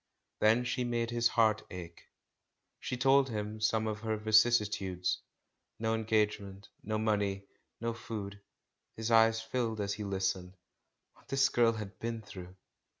Then she made his heart ache; she told him some of her vicissi tudes — no engagement, no money, no food. His eyes filled as he listened. What this girl had been through